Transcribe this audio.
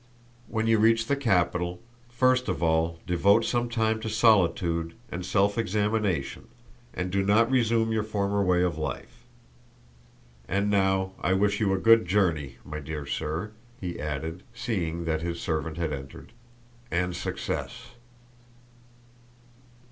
When you reach the capital, first of all devote some time to solitude and self examination and do not resume your former way of life. And now I wish you a good journey, my dear sir," he added, seeing that his servant had entered... "and success."